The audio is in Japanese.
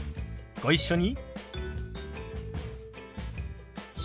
ご一緒に。